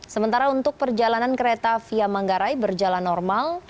sementara untuk perjalanan kereta via manggarai berjalan normal